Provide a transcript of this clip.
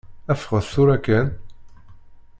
Ffɣet tura kan.